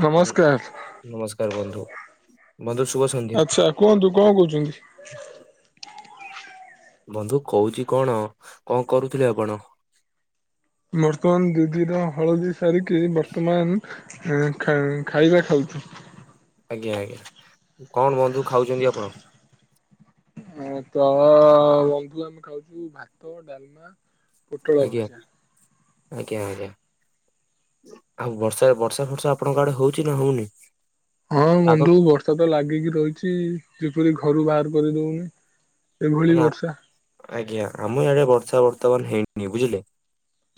ନମସ୍କାର ନମସ୍କାର ବନ୍ଧୁ। ବନ୍ଧୁ ଶୁଭ ସନ୍ଧ୍ୟା ଆଛା କୁହନ୍ତୁ କଣ କହୁଛନ୍ତି। ବନ୍ଧୁ କହୁଛି କଣ କଣ କରୁଥିଲେ ଆପଣ? ବର୍ତ୍ତମାନ ଦିଦିର ହଳଦୀ ସାରିକି ବର୍ତ୍ତମାନ ହ ଖ ଖାଇବା ଖାଉଛୁ ଆଜ୍ଞା ଆଜ୍ଞା କଣ ବନ୍ଧୁ ଖାଉଛନ୍ତି, ଆପଣ? ହ ତ ବନ୍ଧୁ ଆମେ ଖାଉଛୁ ଭାତ ଡାଲମା ପୋଟଳ ଆଜ୍ଞା ଭଜା। ଆଜ୍ଞା ଆଜ୍ଞା ଆଉ ବର୍ଷା ବର୍ଷା ଫର୍ଷା ଆପଣଙ୍କ ଆଡେ ହଉଛି ନା ହଉନି? ହଁ ପାଗ ବନ୍ଧୁ ବର୍ଷା ତ ଲାଗିକି ରହିଛି, ଯେପରି ଘରୁ ବାହାର କରିଦଉନି ଏଭଳି ମାନେ ବର୍ଷା ଆଜ୍ଞା ଆମ ଡେ ବର୍ଷା ବର୍ତ୍ତମାନ ହେଇନି ବୁଝିଲେ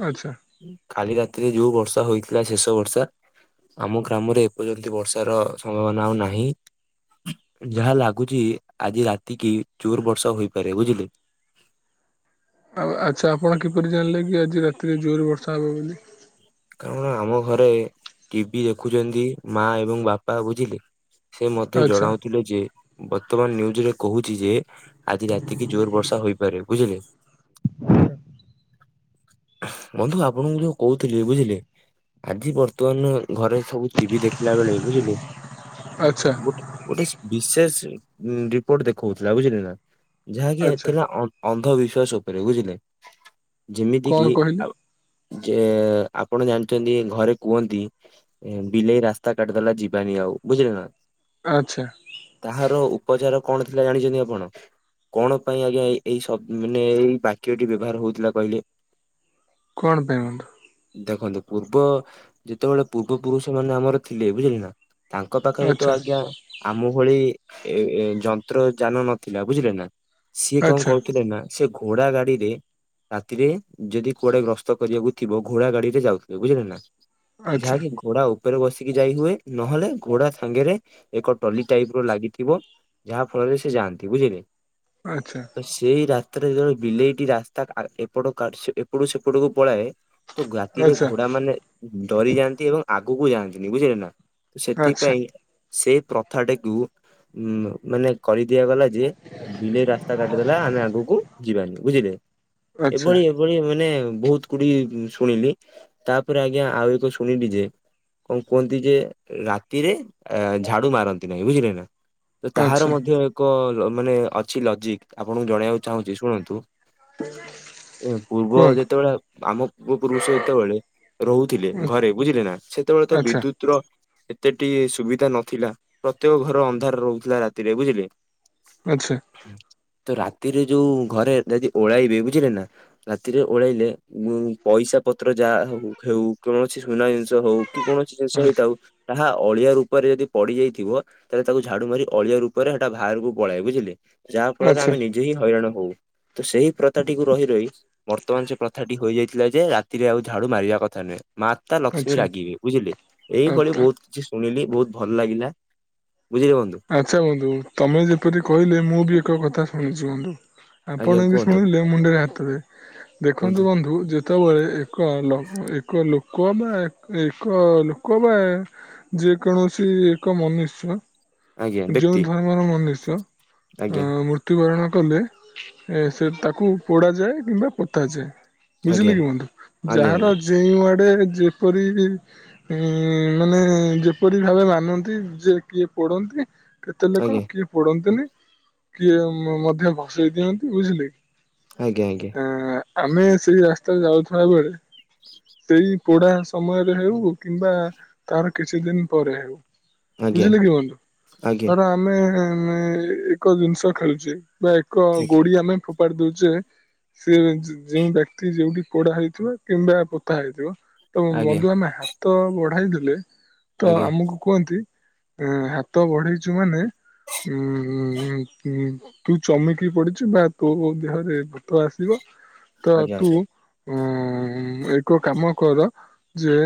ଆଚ୍ଛା। କାଲି ରାତିରେ ଯୋଉ ବର୍ଷା ହୋଇଥିଲା ଶେଷ ବର୍ଷା ଆମ ଗ୍ରାମରେ ଏପର୍ଯ୍ୟନ୍ତ ବର୍ଷାର ସମ୍ଭାବନା ଆଉ ନାହିଁ। ଯାହା ଲାଗୁଛି ଆଜି ରାତି କି ଚୋର ବର୍ଷ ହୋଇପାରେ ବୁଝିଲେ। ଆଉ ଆଚ୍ଛା ଆପଣ କିପରି ଜାଣିଲେ କି ଆଜି ରାତିରେ ଜୋର ବର୍ଷା ହବ ବୋଲି। କାରଣ ଆମ ଘରେ ଟିଭି ଦେଖୁଛନ୍ତି, ମା ଏବଂ ବାପା ବୁଝିଲେ। ସେ ମଧ୍ୟ ଆଚ୍ଛା ଜଣାଉଥିଲେ ଯେ ବର୍ତ୍ତମାନ ନିନ୍ୟୁଜରେ କହୁଛି ଯେ ଆଜି ରାତିକି ଜୋର ବର୍ଷା ହୋଇପାରେ ବୁଝିଲେ ବନ୍ଧୁ ଆପଣଙ୍କୁ ଯୋଉ କହୁଥିଲି, ବୁଝିଲେ ଆଜି ବର୍ତ୍ତମାନ ଘରେ ସବୁ ଟିଭି ଦେଖିଲା ବେଳେ ବୁଝିଲେ ଆଚ୍ଛା ଗୋଟେ ଗୋଟେ ବିଶେଷ ରିପୋର୍ଟ ଦେଖଉଥିଲା ବୁଝିଲ ନା ଯାହାକି ଆଚ୍ଛା ଥିଲା ଅନ୍ଧବିଶ୍ଵାସ ଉପରେ ବୁଝିଲେ ଯେମି କଣ କହିଲେ? ଯେ ଆପଣ ଜାଣିଛନ୍ତି, ଘରେ କୁହନ୍ତି ବିଲେଇ ରାସ୍ତା କାଟିଦେଲା ଯିବାନି ଆଉ ଉ ବୁଝିଲେ ନା ଆଚ୍ଛା ତାହାର ଉପଚାର କଣ ଥିଲା ଜାଣିଛନ୍ତି ଆପଣ? କଣ ପାଇଁ ଆଜ୍ଞା ଏ ଏଇ ସବ ମାନେ ଏଇ ବାକ୍ୟଟି ବ୍ୟବହାର ହଉଥିଲା କହିଲେ। କଣ ପାଇଁ ବନ୍ଧୁ। ଦେଖନ୍ତୁ ପୂର୍ବ ଯେତେବେଳେ ପୂର୍ବ ପୁରୁଷ ମାନେ ଆମର ଥିଲେ ବୁଝିଲେ ନା ତାଙ୍କ ପାଖରେ ତ ଆଚ୍ଛା ଆଜ୍ଞା ଆମ ଭଳି ଏ ଯନ୍ତ୍ର ଯାନ ନଥିଲା ବୁଝିଲେ ନା ସିଏ କଣ ଆଚ୍ଛା କରୁଥିଲେ ନା ସେ ଘୋଡା ଗାଡିରେ ରାତିରେ ଯଦି କୁଆଡେ ଗସ୍ତ କରିବାକୁ ଥିବ ଘୋଡା ଗାଡିରେ ଯାଉଥିଲେ ବୁଝିଲେ ନା ଆଚ୍ଛା ଯାହାକି ଘୋଡା ଉପରେ ବସିକି ଯାଇ ହୁଏ ନହେଲେ ଘୋଡା ସାଙ୍ଗରେ ଏକ ଟଲି ଟାଇପ ର ଲାଗିଥିବ। ଯାହା ଫଳରେ ସେ ଯାଆନ୍ତି ବୁଝିଲେ। ଆଚ୍ଛା ତ ସେଇ ରାତିରେ ଜଣେ ବିଲେଇଟି ରାସ୍ତା [unintelligible] ଏପଟ ଏପଟୁ ସେପଟକୁ ପଳାଏ ତ ରାତିରେ ଆଚ୍ଛା ଘୋଡା ମାନେ ଡରି ଯାଆନ୍ତି ଏବଂ [unintelligible] ବୁଝିଲେ ନା ଆଚ୍ଛା ସେଥିପାଇଁ ସେ ପ୍ରଥାଟିକୁ ଉ ମାନେ କରି ଦିଆଗଲା ଯେ ବିଲେଇ ରାସ୍ତା କାଟିଦେଲା ଆମେ ଆଗକୁ ଯିବାନି ବୁଝିଲେ‌। ଆଚ୍ଛା ବଢ଼ିବେ ବଢ଼ିବେ ମାନେ ବହୁତ ଗୁଡିଏ ଶୁଣିଲି ତାପରେ ଆଜ୍ଞା ଆଉ ଏକ ଶୁଣିଲି ଯେ କଣ କୁହନ୍ତି ଯେ ରାତିରେ ଝାଡୁ ମାରନ୍ତି ନାହିଁ ବୁଝିଲେ ନା। ତାହାର ଆଚ୍ଛା ମଧ୍ୟ ଏକ ମାନେ ଅଛି ଲଜିକ ଆପଣଙ୍କୁ ଜଣେଇବାକୁ ଚାହୁଁଛି ଶୁଣନ୍ତୁ। [inaudible] ପୂର୍ବ କୁହନ୍ତୁ ଯେତେବେଳେ ଆମ ପୂର୍ବ ପୁରୁଷ ଯେତେବେଳେ ରହୁଥିଲେ ଘରେ ବୁଝିଲେ ନା। ସେତେବେଳେ ତ ଆଚ୍ଛା ବିଦ୍ୟୁତ ର ଏତେଟି ସୁବିଧା ନଥିଲା ପ୍ରତ୍ୟେକ ଘର ଅନ୍ଧାର ରହୁଥିଲା ରାତିରେ ବୁଝିଲେ। ଆଚ୍ଛା। ହୁଁ। ତ ରାତିରେ ଯୋଉ ଘରେ ଯଦି ଓଳାଇବେ ବୁଝିଲେ ନା। ରାତିରେ ଓଳେଇଲେ ପଇସା ପତ୍ର ଯାହା ହଉ କୌଣସି ସୁନା ଜିନିଷ ହଉ। କି କୌଣସି ଜିନିଷ ଆଚ୍ଛା ହେଇଥାଉ ଅଳିଆ ରୂପରେ ଯଦି ପଡି ଯାଇଥିବ ତାହେଲେ ତାକୁ ଝାଡୁ ମାରି ଅଳିଆ ରୂପରେ ସେଟା ବାହାରକୁ ପଳାଏ ବୁଝିଲେ। ଯାହା ଫଳରେ ଆଚ୍ଛା ଆମେ ନିଜେ ହିଁ ହଇରାଣ ହଉ। ତ ସେଇ ପ୍ରଥାଟିକୁ ରହି ବର୍ତ୍ତମାନ ସେ ପ୍ରଥାଟି ହୋଇ ଯାଇଥିଲା ଯେ ରାତିରେ ଆଉ ଝାଡୁ ମାରିବା କଥା ନୁହେଁ। ମାତା ଲକ୍ଷ୍ମୀ ଆଚ୍ଛା ରାଗିବେ ବୁଝିଲେ ଏଇଭଳି ଆଚ୍ଛା ବହୁତ କିଛି ଶୁଣିଲି। ବହୁତ ଭଲ ଲାଗିଲା। ବୁଝିଲେ ବନ୍ଧୁ ଆଚ୍ଛା ବନ୍ଧୁ ତମେ ଯେପରି କହିଲେ ମୁଁ ବି ଏକ କଥା ଶୁଣିଛି ବନ୍ଧୁ। ଆଜ୍ଞା ଆପଣ ବି କୁହନ୍ତୁ ଶୁଣିଲେ ମୁଣ୍ଡରେ ହାତ ଦେବେ କୁହନ୍ତୁ ଦେଖନ୍ତୁ ବନ୍ଧୁ ଯଦି ଯେତେବେଳେ ଏକ ଏକ ଲୋକ ବା ଏକ ଲୋକ ବା ଯେକୌଣସି ଏକ ମନୁଷ୍ୟ। ଆଜ୍ଞା ଯୋଉ ବ୍ୟକ୍ତି ଧର୍ମର ମନୁଷ୍ୟ ଅ ଆଜ୍ଞା। ମୃତ୍ୟୁବରଣ କଲେ ଏ ସେ ତାକୁ ପୋଡାଯାଏ କିମ୍ବା ପୁତାଯାଏ। ଆଜ୍ଞା ବୁଝିଲେ କି ବନ୍ଧୁ ଆଜ୍ଞା ଯାହାର ଯେଉଁ ଗୋଟେ ଯେପରି ଇ ମାନେ ଯେପରି ଭାବେ ମାନନ୍ତି ଯେ କିଏ ପଡନ୍ତି। କେତେ ଲୋକ ଆଜ୍ଞା କିଏ ପୋଡନ୍ତିନି କିଏ ମଧ୍ୟ ଭସେଇ ଦିଅନ୍ତି ବୁଝିଲେ। ଆଜ୍ଞା ଆ ଆମେ ସେଇ ରାସ୍ତା ଯାଉଥିବା ବେଳେ ସେଇ ପୋଡ଼ା ସମୟରେ ହେଉ କିମ୍ବା ତାର କିଛି ଦିନ ପରେ ଆଜ୍ଞା ବୁଝିଲେ କି ବନ୍ଧୁ ଧର ଆଜ୍ଞା ଆମେ ଏକ ଜିନିଷ ଖେଳୁଛେ। ବା ଏକ ଗୋଡି ଆମେ ଫୋପାଡି ଦଉଛେ। ସେ ଯେଉଁ ବ୍ୟକ୍ତି ଯୋଉଠି ପୋଡା ହେଇଥିବ କିମ୍ବା ପୋତା ହେଇଥିବ। ତ ଆଜ୍ଞା ଆଜ୍ଞା ବନ୍ଧୁ ଆମେ ହାତ ବଢାଇ ଦେଲେ ତ ଆଜ୍ଞା ଆମକୁ କୁହନ୍ତି ଆ ହାତ ତ ବଢେଇଛୁ ମାନେ ଉଁ ତୁ ଚମକି ପଡିଚୁ ବା ତୋ ଦେହରେ ଭୂତ ଆସିବ ତ ଆଜ୍ଞା ଆଜ୍ଞା ତୁ ଆଜ୍ଞା ଉଁ ଏକ କାମ କର ଯେ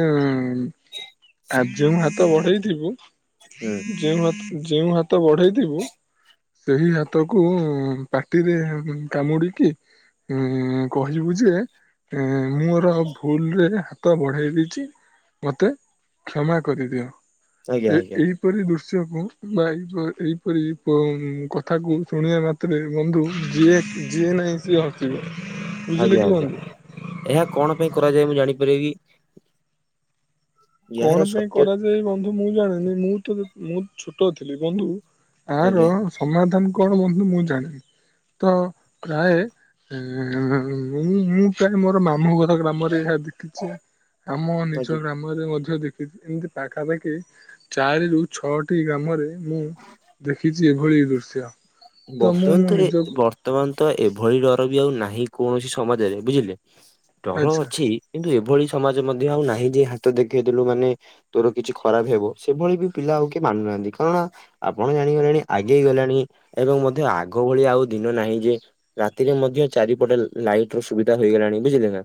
ଆଜି ମୁଁ ହାତ ବଢେଇଥିବୁ। ହୁଁ। ଯେଉଁ ହାତ ଯେଉଁ ହାତ ବଢେଇଥିବୁ। ସେହି ହାତ କୁ ପାଟିରେ କାମୁଡିକି ହୁଁ କହିବୁ ଯେ ଏ ମୋର ଭୁଲରେ ହାତ ବଢାଇ ଦେଇଚି ମତେ କ୍ଷମା କରିଦିଅ। ଆଜ୍ଞା ଆଜ୍ଞା। ଏଇପରି ଦୃଶ୍ୟକୁ ବା ଏଇପରି ଏହିପରି କଥାକୁ ଶୁଣିବା ମାତ୍ରେ ବନ୍ଧୁ ଯିଏ ଯିଏ ନାହିଁ ସିଏ ହସିବ। ବୁଝିଲେ ଆଜ୍ଞା କି ଆଜ୍ଞା। ବନ୍ଧୁ। ଏହା କଣ ପାଇଁ କରାଯାଏ ମୁଁ ଜାଣିପାରିବି କି? ଏହାର କଣ ପାଇଁ ସତ୍ୟ କରାଯାଏ ବନ୍ଧୁ ମୁଁ ଜାଣିନି। ମୁଁ ତ ମୁଁ ଛୋଟ ଥିଲି ବନ୍ଧୁ ଆର ଆଜ୍ଞା ସମାଧାନ କଣ ବନ୍ଧୁ ମୁଁ ଜାଣିନି। ତ ପ୍ରାୟେ, ଏଁ ମୁଁ ମୁଁ ପ୍ରାୟ ମୋର ମାମୁଁ ଘରେ ତାଙ୍କ ଗ୍ରାମରେ ଏହା ଦେଖିଚି। ଆମ ନିଜ ଆଜ୍ଞା ଗ୍ରାମରେ ମଧ୍ୟ [unintelligible] ଦେଖିଚି। ଏମତି ପାଖାପାଖି ଚାରିରୁ ଛଅଟି ଗ୍ରାମରେ ମୁଁ ଦେଖି ଚି ଏଭଳି ଦୃଶ୍ୟ। ମୁଁ ବର୍ତ୍ତମାନ ମୋ ତ ଏ ନିଜକୁ ବର୍ତ୍ତମାନ ତ ଏଭଳି ଡର ବି ଆଉ ନାହିଁ କୌଣସି ସମାଜରେ। ବୁଝିଲେ? ଡର ଆଚ୍ଛା ଅଛି କିନ୍ତୁ ଏ ଏଭଳି ସମାଜ ମଧ୍ୟ ଆଉ ନାହିଁ ଯେ, ହାତ ଦେଖେଇ ଦେଲୁ ମାନେ ତୋର କିଛି ଖରାପ ହେବ। ସେଭଳି ବି ପିଲା ଆଉ କିଏ ମାନୁନାହାଁନ୍ତି କଣ? ଆପଣ ଜାଣିଗଲେଣି ଆଗେଇ ଗଲାଣି ଏବଂ ମଧ୍ୟ ଆଗ ଭଳି ଆଉ ଦିନ ନାହିଁ ଯେ, ରାତିରେ ମଧ୍ୟ ଚାରିପଟେ ଲା-ଲାଇଟର ସୁବିଧା ହୋଇଗଲାଣି। ବୁଝିଲେ ନା?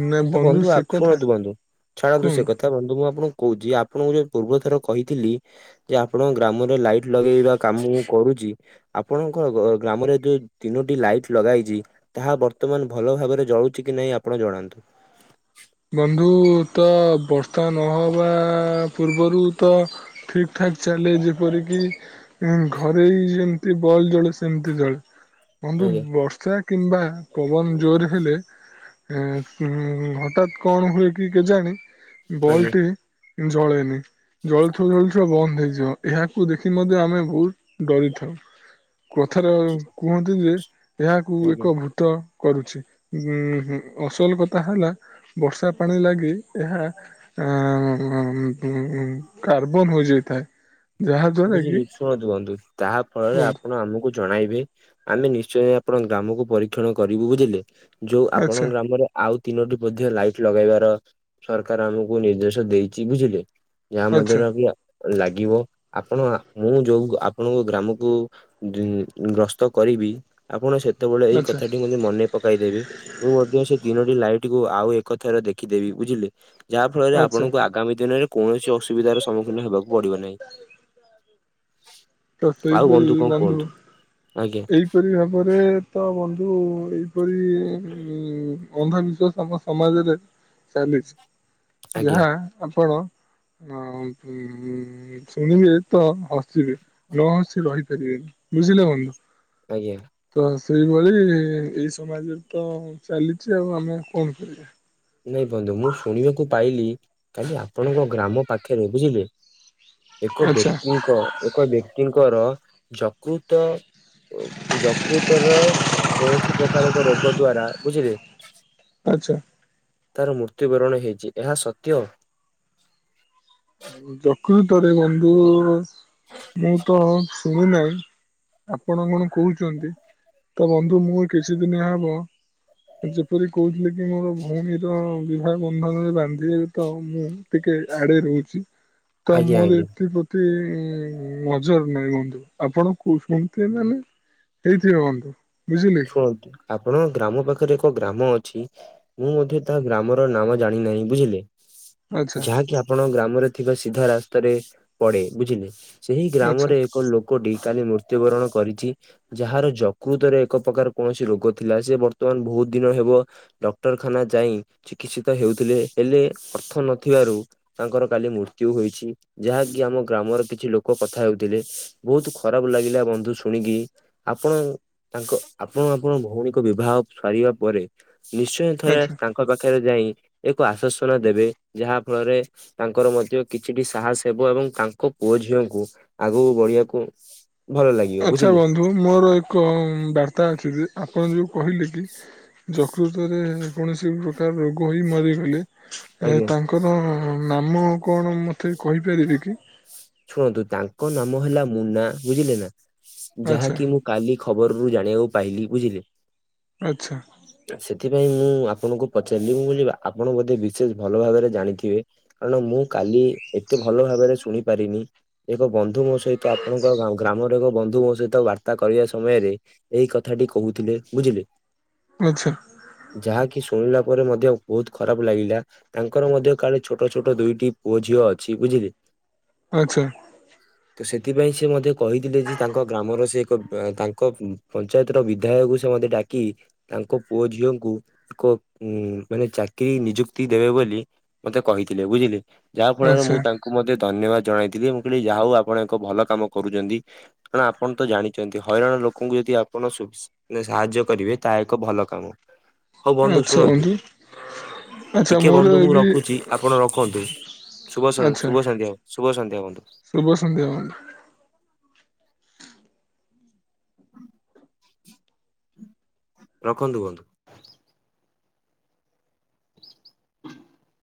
ଉଁ ତ ବନ୍ଧୁ ଆ ଶୁଣନ୍ତୁ ବନ୍ଧୁ, ଛାଡନ୍ତୁ ସେ କୁହନ୍ତୁ। କଥା। ବନ୍ଧୁ ମୁଁ ଆପଣଙ୍କୁ କହୁଛି, ଆପଣଙ୍କୁ ଯୋଉ ପୂର୍ବ ଥର କହିଥିଲି, ଯେ ଆପଣଙ୍କ ଗ୍ରାମରେ ଲାଇଟ ଲଗେଇବା କାମ ମୁଁ କରୁ ଚି। ଆପଣଙ୍କ ଗ-ଗ୍ରାମରେ ଯୋଉ ତିନୋଟି ଲାଇଟ ଲଗାହେଇଛି, ତାହା ବର୍ତ୍ତମାନ ଭଲ ଭାବରେ ଜଳୁଚି କି ନାଇଁ ଆପଣ ଜଣାନ୍ତୁ? ହଁ [inaudible] ତ ନହବା ପୂର୍ବରୁ ତ ଠିକ ଠାକ ଚାଲେ ଯେପରିକି, ଉଁ ଘରେଇ ଯେମିତି ବଲ୍ ଜଳେ ସେମତି ଜଳେ। ବନ୍ଧୁ, ଆଜ୍ଞା ବର୍ଷା କିମ୍ବା ପବନ ଜୋର ହେଲେ ଏଁ-ଉଁ ହଠାତ୍ କଣ ହୁଏ କି କେଜାଣି, ଆଜ୍ଞା ବଲଟି ଜଳେନି। ଜଳୁଥିବ ଜଳୁଥିବ ବନ୍ଦ ହେଇଯିବ, ଏହାକୁ ଦେଖି ମଧ୍ୟ ଆମେ ବହୁତ ଡରିଥାଉ। କଥାରେ କୁହନ୍ତି ଯେ ଏହାକୁ ଆଜ୍ଞା। ଏକ ଭୂତ କରୁଛି। ଉମ୍ ହୁଁ ଅସଲ କଥା ହେଲା ବର୍ଷା ପାଣି ଲାଗି ଏହା ଉମ୍ କାର୍ବନ ହୋଇଯାଇଥାଏ। [unintelligible] ଦ୍ଵାରା କି ବୁଝିଲି। ଶୁଣନ୍ତୁ ବନ୍ଧୁ, ତାହାଫଳରେ କୁହନ୍ତୁ ଆପଣ ଆମକୁ ଜଣାଇବେ ଆମେ ନିଶ୍ଚ ଶ୍ଚୟ ଆପଣଙ୍କ ଗ୍ରାମକୁ ପରୀକ୍ଷଣ କରିବୁ, ବୁଝିଲେ। ଯୋଉ ଆଚ୍ଛା ଆପଣଙ୍କ ଗ୍ରାମରେ ଆଉ ତିନୋଟି ମଧ୍ୟ ଲାଇଟ ଲଗେଇବାର ର, ସରକାର ଆମକୁ ନିର୍ଦ୍ଦେଶ ଦେଇଚି ବୁଝିଲେ। ଯାହା ଆଚ୍ଛା ମଧ୍ୟର କି ଲାଗିବ ଆପଣ ମୁଁ ଯୋଉ ଆପଣଙ୍କ ଗ୍ରାମକୁ ଗ୍ରସ୍ତ କରିବି, ଆପଣ ସେତ୍ ସେତବେଳେ ଏହି ଆଚ୍ଛା କଥାଟି ମତେ ମନେ ପକାଇଦେବେ। ମୁଁ ମଧ୍ୟ ସେ ତିନୋଟି ଲାଇଟ କୁ ଆଉ ଏକଥର ଦେଖିଦେବି ବୁଝିଲେ। ଯାହାଫଳରେ ଆଚ୍ଛା ଆପଣଙ୍କୁ ଆଗାମୀ ଦିନରେ କୌଣସି ଅସୁବିଧାର ସମ୍ମୁଖୀନ ହେବାକୁ ପଡିବ ନାହିଁ। ତ ଆଉ ସେଇପରି କଣ ବନ୍ଧୁ, କୁହନ୍ତୁ? ଆଜ୍ଞା ଏହିପରି ଭାବରେ ତ ବନ୍ଧୁ ଏଇପରି ଉମ୍ ଅନ୍ଧବିଶ୍ଵାସ ଆମ ସମାଜରେ ଚାଲିଛି। ଆଜ୍ଞା ଯାହା ଆପଣ ଆ ଉମ୍ ଶୁଣିବେ ତ ହସିବେ। ନ ହସି ରହିପାରିବେ ନି, ବୁଝିଲେ ବନ୍ଧୁ। ଆଜ୍ଞା। ତ ସେଇଭଳି ଏଇ ସମାଜରେ ତ ଚାଲିଚି ଆଉ ଆମେ କହି ପାରିବା। ନାଇଁ ବନ୍ଧୁ ମୁଁ ଶୁଣିବାକୁ ପାଇଲି କାଲି ଆପଣଙ୍କ ଗ୍ରାମ ପାଖରେ ବୁଝିଲେ ଏକ ଆଚ୍ଛା ବ୍ୟକ୍ତିଙ୍କ ଏକ ବ୍ୟକ୍ତିଙ୍କର ଯକୃତ ଯକୃତର କୌଣସି ପ୍ରକାର ଏକ ରୋଗ ଦ୍ଵାରା ବୁଝିଲେ ଆଛା। ତାର ମୃତ୍ୟୁବରଣ ହେଇଚି ଏହା ସତ୍ୟ। ଯକୃତରେ ବନ୍ଧୁ ମୁଁ ତ ଶୁଣି ନାହିଁ। ଆପଣ କଣ କହୁଚନ୍ତି ତ ବନ୍ଧୁ ମୁଁ କିଛି ଦିନ ହବ ଯେପରି କହୁଥିଲେ କି ମୋର ଭଉଣୀର ବିବାହ ବନ୍ଧନରେ ବାନ୍ଧିବେ ତ ମୁଁ ଟିକେ ଏ ଆଡେ ରହୁଚି ତ ଆଜ୍ଞା ମୋର ଆଜ୍ଞା ଏଥିପ୍ରତି ନଜର ନାଇଁ ବନ୍ଧୁ ଆପଣ କୁଷ୍ଣ ଙ୍କ ଥିବ ମାରଲେ ହେଇଥିବ ବନ୍ଧୁ। ବୁଝିଲେ କି ଶୁଣନ୍ତୁ ଆପଣଙ୍କ ଗ୍ରାମ ପାଖରେ ଏକ ଗ୍ରାମ ଅଛି ମୁଁ ମଧ୍ୟ ତା ଗ୍ରାମ ର ନାମ ଜାଣିନାହିଁ ବୁଝିଲେ। ଆଚ୍ଛା ଯାହାକି ଆପଣ ଗ୍ରାମରେ ଥିବା ସିଧା ରାସ୍ତାରେ ପଡେ ବୁଝିଲେ। ସେହି ଆଚ୍ଛା ଗ୍ରାମରେ ଏକ ଲୋକଟି କାଲି ମୃତ୍ୟୁବରଣ କରିଚି ଯାହାର ଯକୃତରେ ଏକ ପ୍ରକାର କୌଣସି ରୋଗ ଥିଲା ସେ ବର୍ତ୍ତମାନ ବହୁତ ଦିନ ହେବ ଡକ୍ଟରଖାନା ଯାଇ ଚିକିତ୍ସିତ ହେଉ ତି ଥିଲେ ହେଲେ ଅର୍ଥ ନଥିବାରୁ ତାଙ୍କର କାଲି ମୃତ୍ୟୁ ହୋଇଛି ଯାହାକି ଆମ ଗ୍ରାମର କିଛି ଲୋକ କଥା ହେଉଥିଲେ ବହୁତ ଖରାପ ଲାଗିଲା ବନ୍ଧୁ ଶୁଣିକି ଆପଣ ତାଙ୍କ ଆପଣ ଆପଣ ଭଉଣୀ ବିବାହ ସାରିବା ପରେ ନିଶ୍ଚୟ ଥଆ ଆଚ୍ଛା ତାଙ୍କ ପାଖରେ ଯାଇ ଏକ ଆଶ୍ଵସନା ଦେବେ ଯାହା ଫଳରେ ତାଙ୍କର ମଧ୍ୟ କିଛିଟି ସାହସ ହେବ ଏବଂ ତାଙ୍କ ପୁଅ ଝିଅଙ୍କୁ ଆଗକୁ ବଢିବାକୁ ଭଲ ଲାଗିବ ଆଛା ବୁଝିଲେ। ବନ୍ଧୁ ମୋର ଏକ ବାର୍ତା ଅଛି ଯେ ଆପଣ ଯୋଉ କହିଲେ କି ଯକୃତରେ କୌଣସି ପ୍ରକାର ରୋଗ ହୋଇ ମରିଗଲେ। ଏ ଆଜ୍ଞା ତାଙ୍କର ନାମ କଣ ମତେ କହିପାରିବେ କି? ଶୁଣନ୍ତୁ ତାଙ୍କ ନାମ ହେଲା ମୁନା ବୁଝିଲେ ନା। ଆଚ୍ଛା ଯାହାକି ମୁଁ କାଲି ଖବର ରୁ ଜାଣିବାକୁ ପାଇଲି ବୁଝିଲେ ଆଛା। ସେଥିପାଇଁ ମୁଁ ଆପଣଙ୍କୁ ପଚାରଲି ମୁଁ କହିଲି ଆପଣ ବୋଧେ ବିଶେଷ ଭଲ ଭାବରେ ଜାଣିଥିବେ କାରଣ ମୁଁ କାଲି ଦେ ଏତେ ଭଲ ଭାବରେ ଶୁଣି ପାରିନି ଏକ ବନ୍ଧୁ ମୋ ସହିତ ଆପଣଙ୍କ ଗା ଗ୍ରାମ ଟକ ବନ୍ଧୁଙ୍କ ସହିତ ବାର୍ତ୍ତା କରିବା ସମୟରେ ଏଇ କଥାଟି କହୁଥିଲେ ବୁଝିଲେ। ଆଚ୍ଛା ଯାହା କିିସୁ ଶୁଣିଲା ପରେ ମଧ୍ୟ ବହୁତ ଖରାପ ଲାଗିଲା ତାଙ୍କର ମଧ୍ୟ କାଳେ ଛୋଟ ଛୋଟ ଦୁଇଟି ପୁଅ ଝିଅ ଅଛି ବୁଝି ବୁଝିଲେ ଆଛା। ତ ସେଥିପାଇଁ ସେ ମଧ୍ୟ କହିଥିଲେ ଯେ ତାଙ୍କ ଗ୍ରାମର ସେ ଙ୍କ ବ ତାଙ୍କ ପଞ୍ଚାୟତର ବିଧାୟକୁ ସେ ମତେ ଡାକି ତାଙ୍କ ପୁଅ ଝିଅଙ୍କୁ କ ଉଁ ମାନେ ଚାକିରି ନିଯୁକ୍ତି ଦେବେ ବୋଲି ମତେ କହିଥିଲେ ବୁଝିଲେ। ଯାହା ଫଳରେ ଆଚ୍ଛା ମୁଁ ତାଙ୍କୁ ମଧ୍ୟ ଦି ଧନ୍ୟବାଦ ଜଣାଇଥିଲି ମୁଁ କହିଲି ଯାହା ହଉ ଆପଣ ଏକ ଭଲ କାମ କରୁଚନ୍ତି, କାରଣ ଆପଣ ତ ଜାଣିଚନ୍ତି ହଇରାଣ ଲୋକଙ୍କୁ ଯଦି ଆପଣ ସୁ ସ୍ ଯଦି ସାହାଯ୍ୟ କରିବେ ତାହା ଏକ ଭଲ କାମ। ହଉ ବନ୍ଧୁ ଶୁଣନ୍ତୁ ଆଚ୍ଛା ଟିକେ ମୋର ବନ୍ଧୁ ମୁଁ ବି ରଖୁଚି ଆପଣ ରଖନ୍ତୁ ଶୁଭ ସ ଆଚ୍ଛା ଶୁଭ ସନ୍ଧ୍ୟା। ଶୁଭ ସନ୍ଧ୍ୟା ବନ୍ଧୁ। ଶୁଭ ସନ୍ଧ୍ୟା ବନ୍ଧୁ। [inaudible] ରଖନ୍ତୁ ବନ୍ଧୁ। [inaudible]